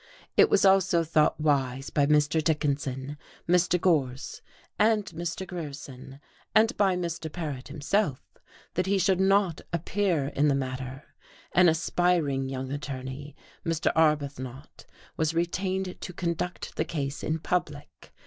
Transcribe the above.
It was also thought wise by Mr. Dickinson, Mr. Gorse, and Mr. Grierson, and by Mr. Paret himself that he should not appear in the matter; an aspiring young attorney, Mr. Arbuthnot, was retained to conduct the case in public.